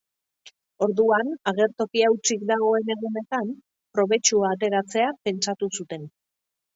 Orduan, agertokia hutsik dagoen egunetan probetxua ateratzea pentsatu zuten.